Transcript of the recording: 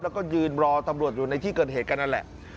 แล้วก็ยืนรอตำรวจอยู่ในที่เกิดเหตุกันนั่นแหละ